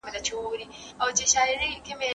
که ماسوم ته پاملرنه وسي نو استعداد یې نه مړ کېږي.